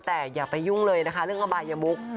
แต่อย่าไปยุ่งเลยนะคะเรื่องอบายมุก